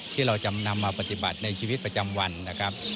ที่เราจำนำมาปฏิบัติในชีวิตประจำวันนะครับ